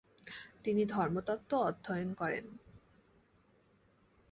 তিনি ধর্মতত্ত্ব অধ্যয়ন করেন।